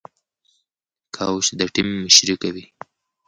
کوچ د ټيم مشري کوي.